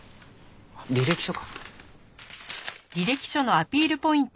履歴書か。